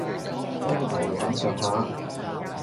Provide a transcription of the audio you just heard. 青頭係咁上下